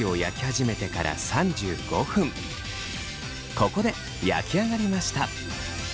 ここで焼き上がりました。